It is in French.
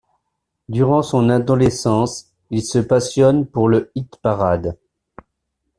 Durant son adolescence, il se passionne pour le hit-parade.